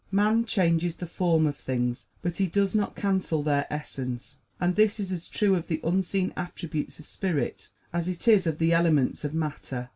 Man changes the form of things, but he does not cancel their essence. And this is as true of the unseen attributes of spirit as it is of the elements of matter.